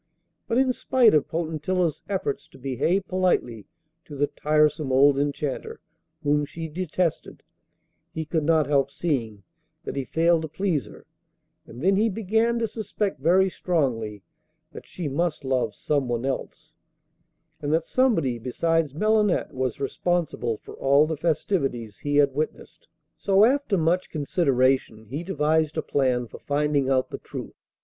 But, in spite of Potentilla's efforts to behave politely to the tiresome old Enchanter, whom she detested, he could not help seeing that he failed to please her, and then he began to suspect very strongly that she must love someone else, and that somebody besides Melinette was responsible for all the festivities he had witnessed. So after much consideration he devised a plan for finding out the truth.